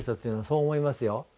そう思いますよ。